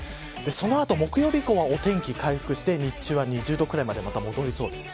その後木曜日以降はお天気回復して日中は２０度ぐらいまでまた戻りそうです。